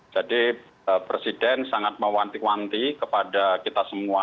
presiden sangat mewanti wanti kepada kita semua